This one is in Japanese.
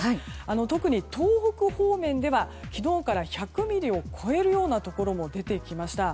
特に東北方面では昨日から１００ミリを超えるようなところも出てきました。